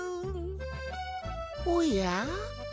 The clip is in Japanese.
おや？